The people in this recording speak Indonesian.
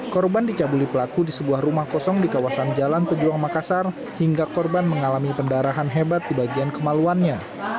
korban dicabuli pelaku di sebuah rumah kosong di kawasan jalan pejuang makassar hingga korban mengalami pendarahan hebat di bagian kemaluannya